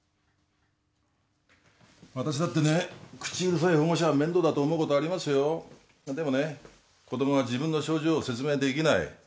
私だってね口うるさい保護者は面倒だと思うことありますよでもね子供は自分の症状を説明できない